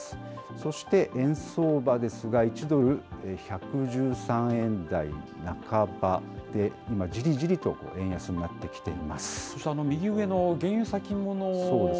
そして円相場ですが、１ドル１１３円台半ばで、今、じりじりと円安になってきています。